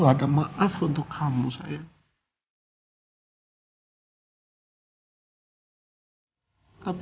apa yang mereka jauh the number dua